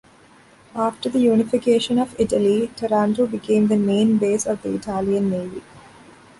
After the unification of Italy, Taranto became the main base of the Italian Navy.